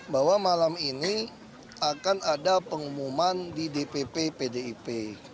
bahwa malam ini akan ada pengumuman di dpp pdip